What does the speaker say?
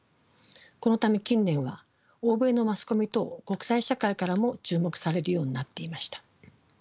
このため近年は欧米のマスコミ等国際社会からも注目されるようになっていました。